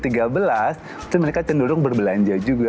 terus mereka cenderung berbelanja juga